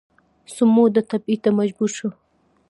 څه موده تبعید ته مجبور شو